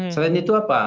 selain itu apa